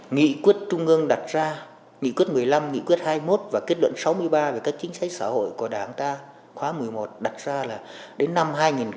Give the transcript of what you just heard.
nghị quyết trung ương đặt ra nghị quyết một mươi năm nghị quyết hai mươi một và kết luận sáu mươi ba về các chính sách xã hội của đảng ta khóa một mươi một đặt ra là đến năm hai nghìn hai mươi